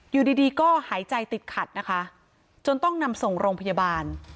อยู่ดีดีก็หายใจติดขัดนะคะจนต้องนำส่งโรงพยาบาล